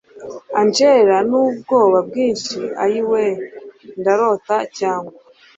Angel nubwoba bwinshi ayiweee ndarota cyangwa